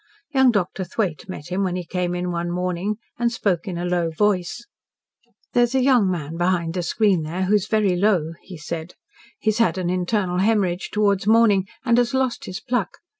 Young Doctor Thwaite met him when he came in one morning, and spoke in a low voice: "There is a young man behind the screen there who is very low," he said. "He had an internal haemorrhage towards morning, and has lost his pluck.